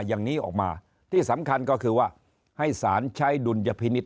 อย่างนี้ออกมาที่สำคัญก็คือว่าให้สารใช้ดุลยพินิษฐ